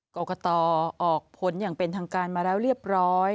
กรกตออกผลอย่างเป็นทางการมาแล้วเรียบร้อย